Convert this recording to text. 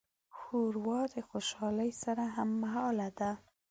ښوروا د خوشالۍ سره هممهاله ده.